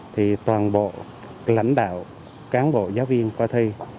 thì toàn bộ lãnh đạo cán bộ giáo viên coi thi